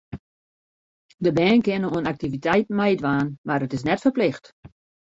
De bern kinne oan aktiviteiten meidwaan, mar it is net ferplicht.